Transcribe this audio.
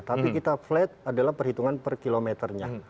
tapi kita flat adalah perhitungan per kilometernya